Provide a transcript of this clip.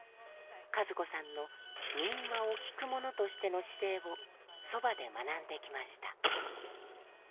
和子さんの民話を「きく者」としての姿勢をそばで学んできました。